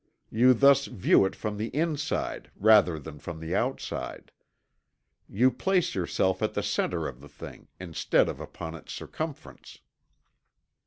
You thus view it from the inside, rather than from the outside. You place yourself at the centre of the thing, instead of upon its circumference.